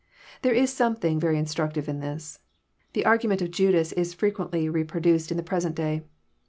There is something very instructive in this. The argument of Judas is frequently reproduced in the present day.